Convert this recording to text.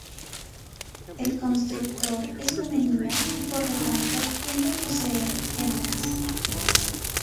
El Constructo es femenino y por lo tanto tiende a poseer hembras.